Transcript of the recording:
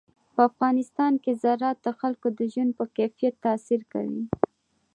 په افغانستان کې زراعت د خلکو د ژوند په کیفیت تاثیر کوي.